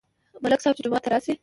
ملک صاحب چې جومات ته راشي.